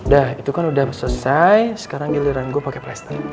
udah itu kan udah selesai sekarang giliran gua pake plaster